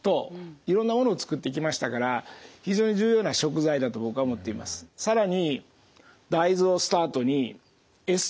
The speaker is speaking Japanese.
いろんなものを作ってきましたから非常に重要な食材だと僕は思っています。